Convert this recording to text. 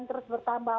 dan terus bertambah